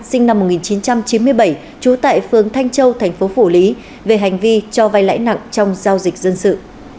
sinh năm một nghìn chín trăm chín mươi bảy trú tại phường thanh châu thành phố phủ lý về hành vi cho vay lãi nặng trong giao dịch dân sự